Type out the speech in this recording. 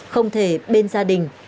không thể bên gia đình